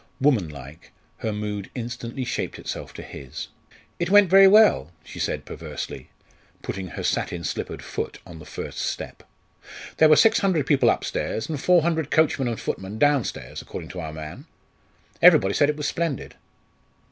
Womanlike, her mood instantly shaped itself to his. "It went very well," she said perversely, putting her satin slippered foot on the first step. "There were six hundred people upstairs, and four hundred coachmen and footmen downstairs, according to our man. Everybody said it was splendid."